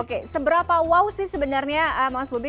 oke seberapa wow sih sebenarnya maus bubi